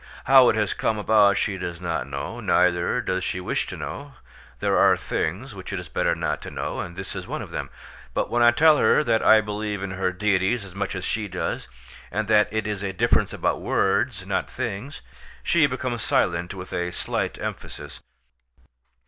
How it has come about she does not know, neither does she wish to know; there are things which it is better not to know and this is one of them; but when I tell her that I believe in her deities as much as she does—and that it is a difference about words, not things, she becomes silent with a slight emphasis.